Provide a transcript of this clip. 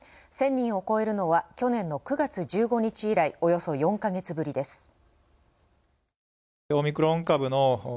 １０００人を超えるのは去年の９月１５日以来およそ４ヵ月ぶりです。